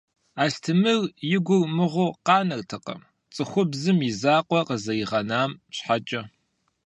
Астемыр и гур мыгъуу къанэртэкъым, цӀыхубзым и закъуэ къызэригъэнам щхьэкӀэ.